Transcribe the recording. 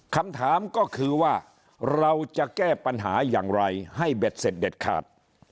คำถามก็คือว่าเราจะแก้ปัญหาอย่างไรให้เบ็ดเสร็จเด็ดขาด